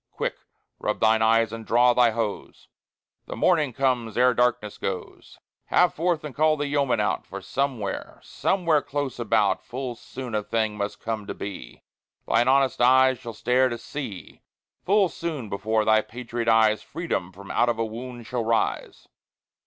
Quick, rub thine eyes and draw thy hose: The Morning comes ere darkness goes. Have forth and call the yeomen out, For somewhere, somewhere close about Full soon a Thing must come to be Thine honest eyes shall stare to see Full soon before thy patriot eyes Freedom from out of a Wound shall rise.